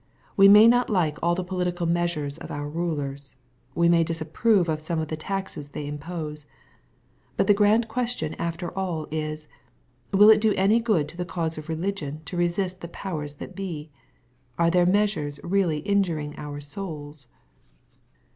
We may not like all the political measures of our rulers. We may disapprove of some of the taxes they impose. But the grand question after all is, Will it da any good to the cause of religion to resist the powers that be ? Are their measures really injuring our souls